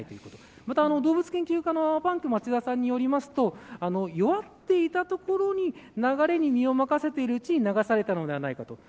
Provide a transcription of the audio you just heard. また、動物研究家のパンク町田さんによりますと弱っていたところに流れに身を任せているうちに流されたのではないかと。